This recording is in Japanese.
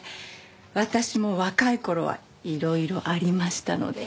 私も若い頃はいろいろありましたので。